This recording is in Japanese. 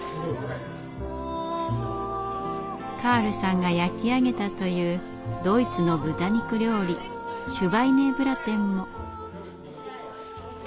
カールさんが焼き上げたというドイツの豚肉料理シュバイネブラテンも。